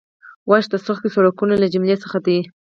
واش د سختو سړکونو له جملې څخه دی